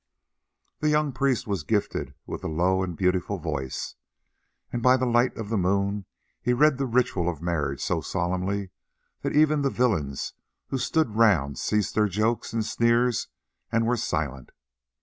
The young priest was gifted with a low and beautiful voice, and by the light of the moon he read the ritual of marriage so solemnly that even the villains who stood round ceased their jokes and sneers and were silent.